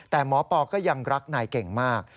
แต่หมอปอก็ยังรักนายเก่งมาก